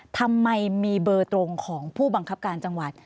ทำไมมีเบอร์ตรงของผู้บังคับการจังหวัด